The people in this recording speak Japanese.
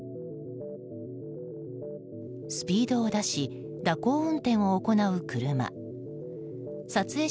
スピードを出し蛇行運転を行う車。